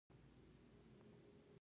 د ونو لرګي او داسې نور شیان هم شامل دي.